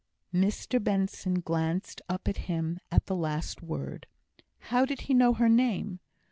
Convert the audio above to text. Mr Benson glanced up at him at the last word. How did he know her name?